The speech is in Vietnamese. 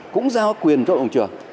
cũng giao quyền cho hội đồng trường